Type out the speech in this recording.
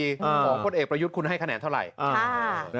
ของพลเอกประยุทธ์คุณให้คะแนนเท่าไหร่